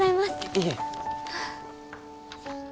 いえ。